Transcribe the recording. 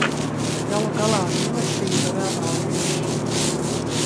Galu galā mīlestība vēl nav viss.